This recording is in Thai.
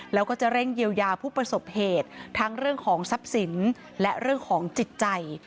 แล้วก็จะเร่งเยียวยาผู้ประสบเหตุทั้งเรื่องของทรัพย์สินและเรื่องของจิตใจ